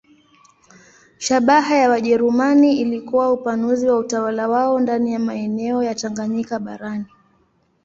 Shabaha ya Wajerumani ilikuwa upanuzi wa utawala wao ndani ya maeneo ya Tanganyika barani.